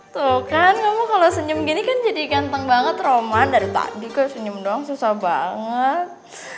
tuh kan kamu kalau senyum gini kan jadi ganteng banget roman dari tadi ke senyum doang susah banget